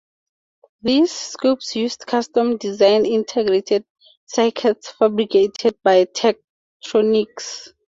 These scopes used custom designed integrated circuits fabricated by Tektronix.